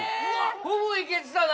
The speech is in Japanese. ほぼいけてたな